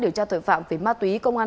điều tra tội phạm về ma túy công an